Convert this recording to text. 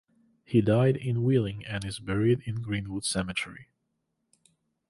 He died in Wheeling and is buried in Greenwood Cemetery.